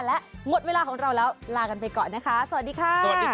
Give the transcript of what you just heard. และหมดเวลาของเราแล้วลากันไปก่อนนะคะสวัสดีค่ะ